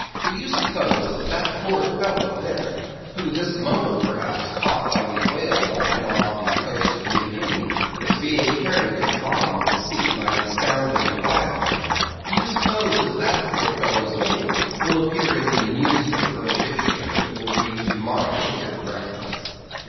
Do you suppose that that poor fellow there, who this moment perhaps caught by the whale line off the coast of New Guinea, is being carried down to the bottom of the sea by the sounding leviathan—do you suppose that that poor fellow's name will appear in the newspaper obituary you will read to morrow at your breakfast?